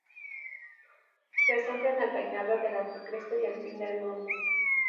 Se centra en el reinado del Anticristo y el fin del mundo.